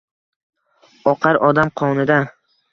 oqar odam qonida.